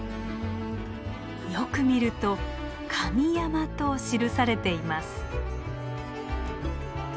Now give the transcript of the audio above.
よく見ると「神山」と記されています。